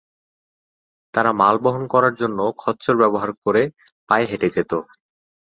তারা মাল বহন করার জন্য খচ্চর ব্যবহার করে পায়ে হেঁটে যেত।